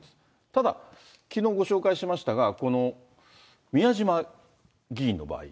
ただ、きのうご紹介しましたが、この宮島議員の場合。